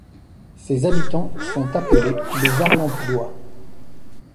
Ses habitants sont appelés les Arlempdois.